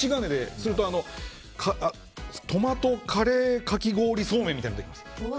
そうするとトマトカレーかき氷そうめんみたいなのができます。